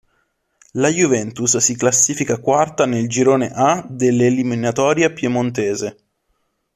La Juventus si classifica quarta nel girone A dell'eliminatoria piemontese.